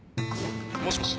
もしもし？